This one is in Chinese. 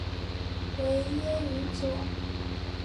维耶于佐。